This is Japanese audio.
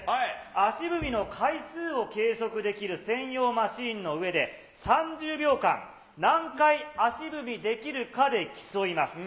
足踏みの回数を計測できる専用マシンの上で、３０秒間、何回足踏みできるかで競います。